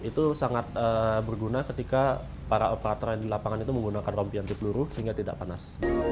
itu sangat berguna ketika para operator yang di lapangan itu menggunakan rompi anti peluru sehingga tidak panas